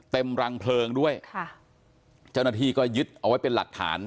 รังเพลิงด้วยค่ะเจ้าหน้าที่ก็ยึดเอาไว้เป็นหลักฐาน